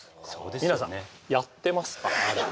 皆さんやってますか？